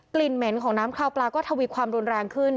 เหม็นของน้ำคราวปลาก็ทวีความรุนแรงขึ้น